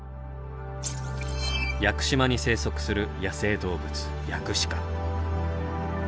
屋久島に生息する野生動物ヤクシカ。